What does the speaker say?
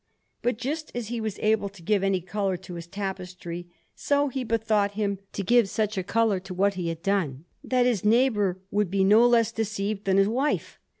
But just as he was able to give any colour to his tapestry, so he bethought him to give such a colour to what he had done, that his neighbour would be no less deceived than his wife.